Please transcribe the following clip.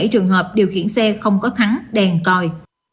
bảy trăm hai mươi bảy trường hợp điều khiển xe không có thắng đèn coi